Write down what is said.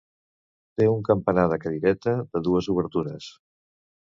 Té un campanar de cadireta de dues obertures.